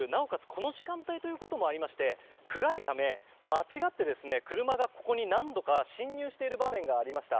この時間帯ということもありまして暗いため、間違って車がここに何度か進入している場面がありました。